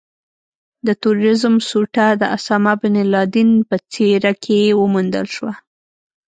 د ترورېزم سوټه د اسامه بن لادن په څېره کې وموندل شوه.